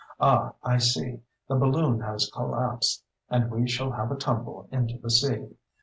Ah, I see—the balloon has collapsed, and we shall have a tumble into the sea.